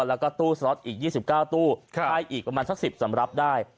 แล้วก็ตู้สล็อตอีก๒๙ตู้ให้อีกประมาณสัก๑๐สำรับได้